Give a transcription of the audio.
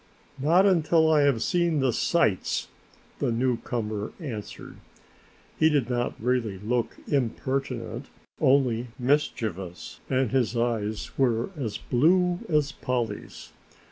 "Not until I have seen the sights," the newcomer answered. He did not really look impertinent, only mischievous, and his eyes were as blue as Polly's.